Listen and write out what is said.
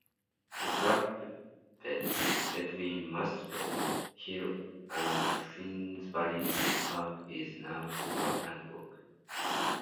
The trackbed between Muswell Hill and Finsbury Park is now the Parkland Walk.